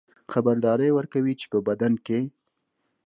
خبرداری ورکوي چې په بدن کې